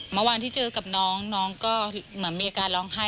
เมื่อวานที่เจอกับน้องน้องก็เหมือนมีอาการร้องไห้